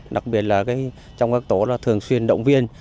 đặc biệt là trong các tổ là thường xuyên động viên